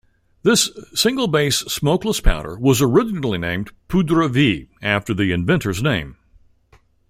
This single-base smokeless powder was originally named "Poudre V" after the inventor's name.